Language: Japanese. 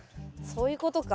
そういうことか。